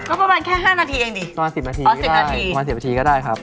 ก็ประมาณแค่๕นาทีเองดิอ๋อ๑๐นาทีประมาณ๑๐นาทีก็ได้ครับ